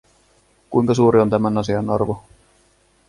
Kuinka suuri on tämän asian arvo?